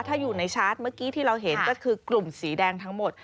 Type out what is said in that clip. ถ้าอยู่ในชาร์จเมื่อกี้ที่เราเห็นก็คือกลุ่มสีแดงทั้งหมด